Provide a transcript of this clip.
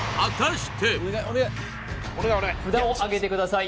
札をあげてください